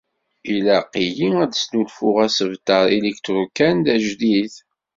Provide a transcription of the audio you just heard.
Ilaq-iyi ad d-snulfuɣ asebter iliktrukan d ajdid.